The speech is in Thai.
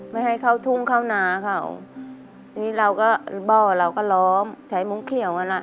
ไม่ให้เข้าทุ่งเข้านาเขาทีนี้เราก็บ้อเราก็ล้อมใช้มุ้งเขียวกันอ่ะ